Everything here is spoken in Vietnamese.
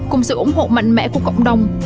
cùng sự ủng hộ mạnh mẽ của cộng đồng